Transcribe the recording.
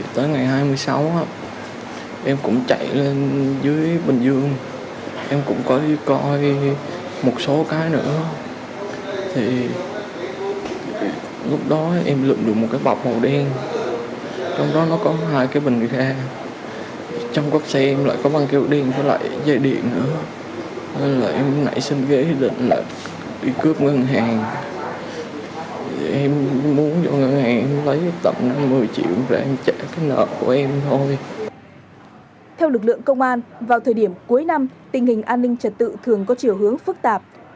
theo lực lượng công an vào thời điểm cuối năm tình hình an ninh trật tự thường có chiều hướng phức tạp